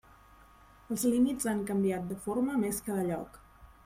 Els límits han canviat de forma més que de lloc.